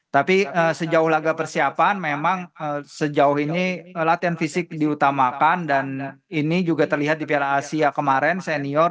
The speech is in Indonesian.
tapi sejauh laga persiapan memang sejauh ini latihan fisik diutamakan dan ini juga terlihat di piala asia kemarin senior